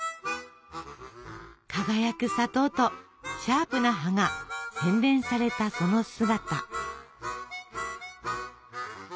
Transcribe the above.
輝く砂糖とシャープな葉が洗練されたその姿。